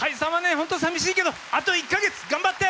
本当さみしいけどあと１か月頑張って！